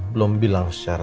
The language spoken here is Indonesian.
belom bilang secara